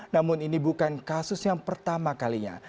namun ini bukan kasus yang pertama kalinya